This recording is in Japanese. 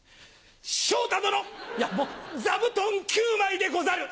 昇太殿座布団９枚でござる！